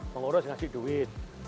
mengurus ngasih duit